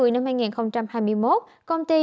năm hai nghìn hai mươi một công ty